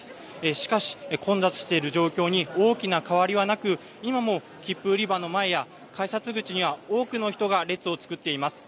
しかし混雑している状況に大きな変わりはなく今も切符売り場の前や改札口には多くの人が列を作っています。